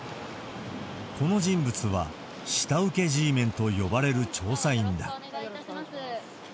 この人物は、下請けＧメンと呼ばれる調査員だ。